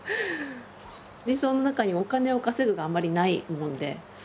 理想の中にお金を稼ぐがあんまりないもんで。